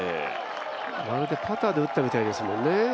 まるでパターで打ったみたいですもんね。